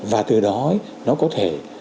và từ đó nó có thể